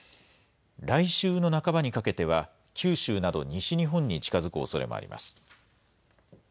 来週の半ばにかけては、九州など西日本に近づくおそれもあります。